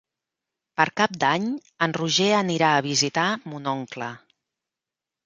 Per Cap d'Any en Roger anirà a visitar mon oncle.